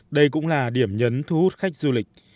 đây cũng là điểm nhấn thu hút khách du lịch